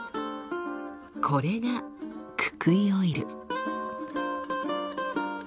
これがククイオイル。